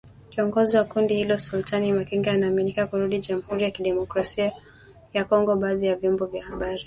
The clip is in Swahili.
Kiongozi wa kundi hilo Sultani Makenga anaaminika kurudi Jamhuri ya Kidemokrasia ya Kongo. Baadhi ya vyombo vya habari vimeripoti anaongoza mashambulizi mapya.